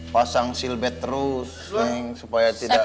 pasang silbet terus supaya tidak